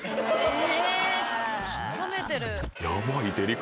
え？